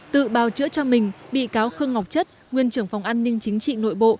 tự bào chữa cho mình bị cáo khương ngọc chất nguyên trưởng phòng an ninh chính trị nội bộ